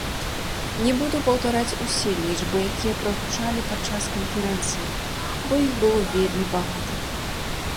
Не буду паўтараць усе лічбы, якія прагучалі падчас канферэнцыі, бо іх было вельмі багата.